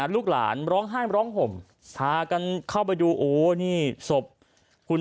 ลูกหลานมาร้องห้ายมาร้องห่ม